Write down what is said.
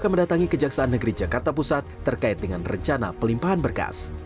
mendatangi kejaksaan negeri jakarta pusat terkait dengan rencana pelimpahan berkas